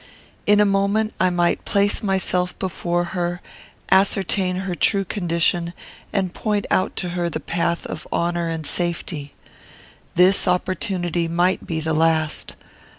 In a moment I might place myself before her, ascertain her true condition, and point out to her the path of honour and safety. This opportunity might be the last.